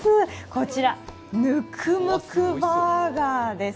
こちら、ヌクムクバーガーです。